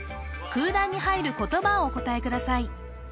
空欄に入る言葉をお答えください